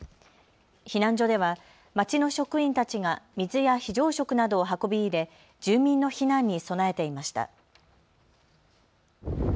避難所では町の職員たちが水や非常食などを運び入れ住民の避難に備えていました。